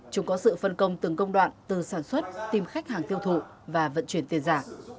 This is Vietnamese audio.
chúng có sự phân công từng công đoạn từ sản xuất tìm khách hàng tiêu thụ và vận chuyển tiền giả